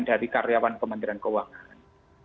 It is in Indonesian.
jadi karyawan kementerian keuangan